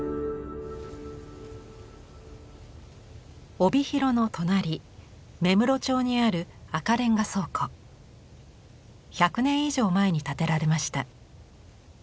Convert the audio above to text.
帯広の隣芽室町にある１００年以上前に建てられました。